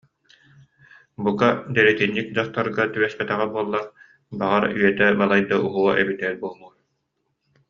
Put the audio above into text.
Бука, дэриэтинньик дьахтарга түбэспэтэҕэ буоллар, баҕар, үйэтэ балайда уһуо эбитэ буолуо